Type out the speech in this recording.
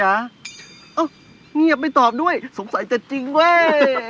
เอ้าเงียบไม่ตอบด้วยสงสัยจะจริงเว้ย